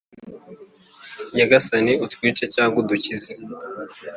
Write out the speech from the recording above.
Nyagasani, utwice cyangwa udukize,